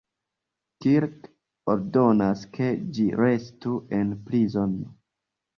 Kirk ordonas ke ĝi restu en prizono.